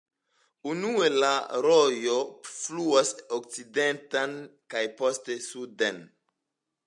Unue la rojo fluas okcidenten kaj poste suden.